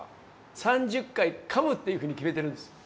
「３０回かむ」っていうふうに決めてるんです。